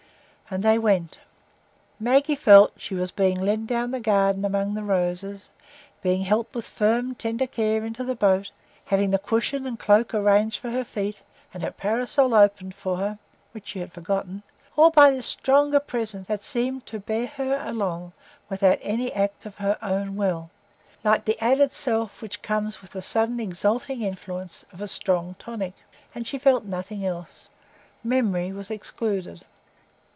And they went. Maggie felt that she was being led down the garden among the roses, being helped with firm, tender care into the boat, having the cushion and cloak arranged for her feet, and her parasol opened for her (which she had forgotten), all by this stronger presence that seemed to bear her along without any act of her own will, like the added self which comes with the sudden exalting influence of a strong tonic, and she felt nothing else. Memory was excluded.